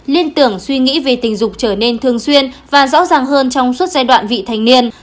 liên tưởng suy nghĩ về tình dục trở nên thường xuyên và rõ ràng hơn trong suốt giai đoạn vị thành niên